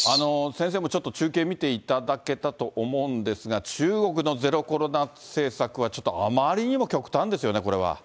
先生もちょっと中継見ていただけたと思うんですが、中国のゼロコロナ政策は、ちょっとあまりにも極端ですよね、これは。